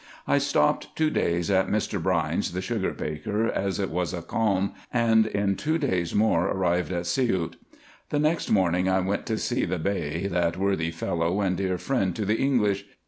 I stopped two days at Mr. Brine's, the sugar baker, as it was a calm, and in two days more arrived at Siout. The next morning I went to see the Bey, that worthy fellow and dear friend to the English.